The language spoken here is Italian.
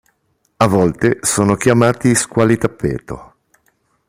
A volte sono chiamati squali tappeto.